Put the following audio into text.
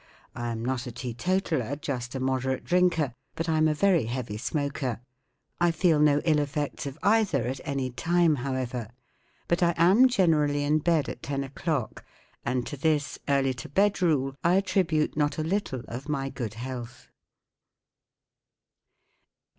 I am not a tee totalled just a mode¬ rate drinker, but I am a very heavy smoker. I feel no ill effects of either at any time* however* But I am generally in bed at ten o'clocK, and to this " early to bed lf rule I attribute not a little of my good health.